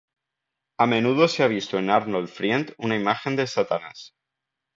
A menudo se ha visto en Arnold Friend una imagen de Satanás.